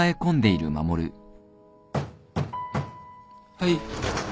・はい。